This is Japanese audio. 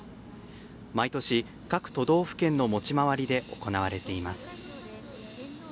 毎年、各都道府県の持ち回りで行われています。